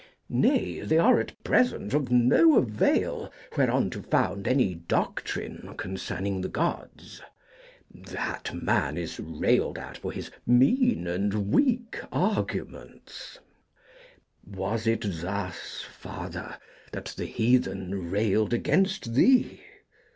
Nay, they are at present of no avail whereon to found any doctrine concerning the Gods' that man is railed at for his 'mean' and 'weak' arguments. * Transliterated from Greek. Was it thus, Father, that the heathen railed against thee?